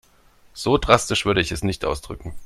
So drastisch würde ich es nicht ausdrücken.